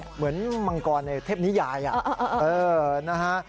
เหมือนมังกรในเทปนิยายเออนะฮะ